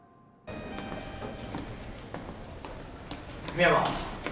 深山！